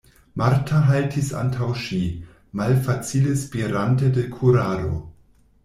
Marta haltis antaŭ ŝi, malfacile spirante de kurado.